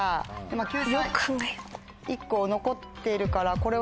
今救済１個残ってるからこれは。